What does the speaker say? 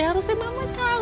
harusnya mama tau